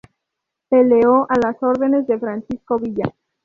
Peleó a las órdenes de Francisco Villa.